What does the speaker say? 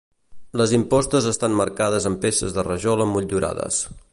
Les impostes estan marcades amb peces de rajola motllurades.